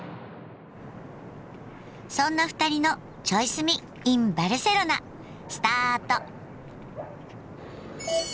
そんな二人の「チョイ住みｉｎバルセロナ」スタート。